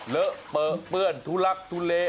เลอะเปลือเปื้อนทุลักทุเล